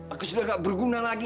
aku sudah gak berguna lagi